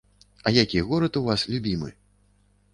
А які горад у вас любімы?